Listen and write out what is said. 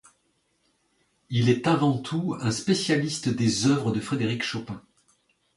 Il est avant tout un spécialiste des œuvres de Frédéric Chopin.